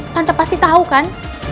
tante pasti tau kan